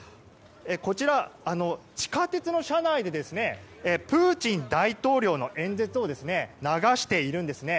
こちら、地下鉄の車内でプーチン大統領の演説を流しているんですね。